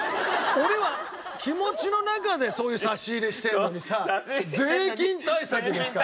俺は気持ちの中でそういう差し入れしてるのにさ「税金対策ですか？」。